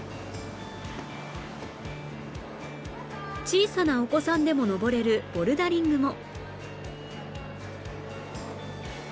小さなお子さんでも登れるボルダリングも